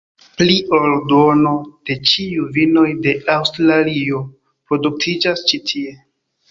Pli ol duono de ĉiuj vinoj de Aŭstralio produktiĝas ĉi tie.